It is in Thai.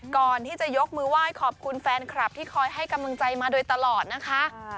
ก่อนที่จะยกมือไหว้ขอบคุณแฟนคลับที่คอยให้กำลังใจมาโดยตลอดนะคะ